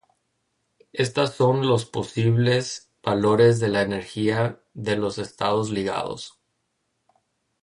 Estas son los posibles valores de la energía de los estados ligados.